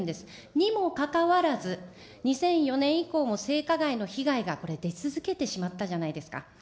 にもかかわらず、２００４年以降も性加害の被害がこれ、出続けてしまったじゃないですか。